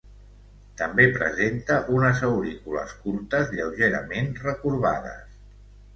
També presenta unes aurícules curtes lleugerament recorbades.